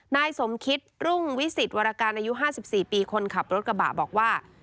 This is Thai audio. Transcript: นายสมคิตรุ่งวิสิตวรการอายุ๕๔ปีคนขับรถกระบะบอกว่า